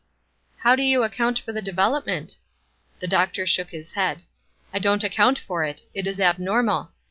"How do you account for the development?" The doctor shook his head: "I don't account for it; it is abnormal.